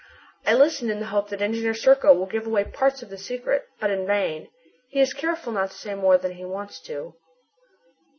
I listen in the hope that Engineer Serko will give away a part of the secret, but in vain. He is careful not to say more than he wants to.